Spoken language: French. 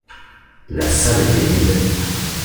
La salle était vide.